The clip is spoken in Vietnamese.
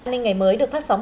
nên ngày mới được phát sóng